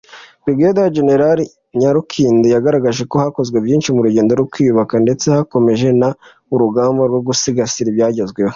Brig General Nyakarundi yagaragaje ko hakozwe byinshi mu rugendo rwo kwiyubaka ndetse hakomeje n’urugamba rwo gusigasira ibyagezweho